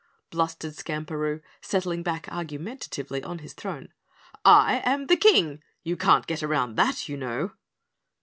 blustered Skamperoo, settling back argumentatively on his throne. "I am the KING! You can't get around that, you know."